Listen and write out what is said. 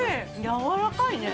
やわらかいね。